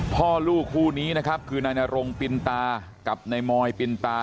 พ่อลูกคู่นี้นะครับคือนายนรงปินตากับนายมอยปินตา